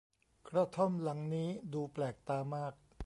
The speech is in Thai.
กระท่อมหลังนี้ดูแปลกตามาก